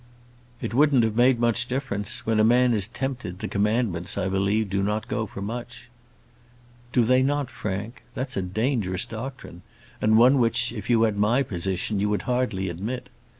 "It wouldn't have made much difference. When a man is tempted, the Commandments, I believe, do not go for much." "Do they not, Frank? That's a dangerous doctrine; and one which, if you had my position, you would hardly admit.